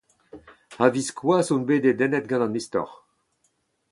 A-viskoazh on bet dedennet gant an istor.